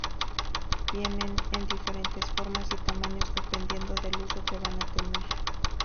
Vienen en diferentes formas y tamaños dependiendo del uso que van a tener.